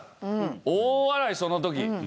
大笑いその時。